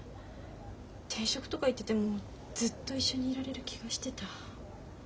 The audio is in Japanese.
転職とか言っててもずっと一緒にいられる気がしてた。